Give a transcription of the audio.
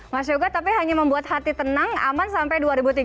mas yoga tapi hanya membuat hati tenang aman sampai dua ribu tiga puluh